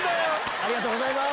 ありがとうございます。